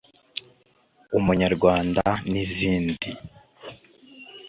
Umunyarwanda” n’izindi